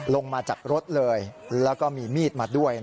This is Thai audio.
ลงมาจากรถเลยแล้วก็มีมีดมาด้วย